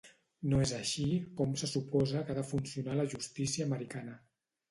No és així com se suposa que ha de funcionar la justícia americana.